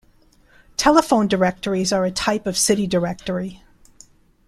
Telephone directories are a type of city directory.